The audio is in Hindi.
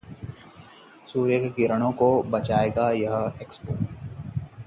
सूर्य की किरणों से बचाएगा यह एेप...